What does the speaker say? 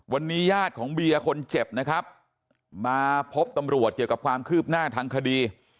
วันนี้ญาติของเบียร์คนเจ็บนะครับมาพบตำรวจเกี่ยวกับความคืบหน้าทางคดี